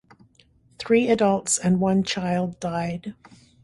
Three adults and one child died.